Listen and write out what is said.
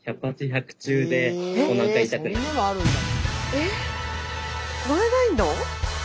えっ乗れないの？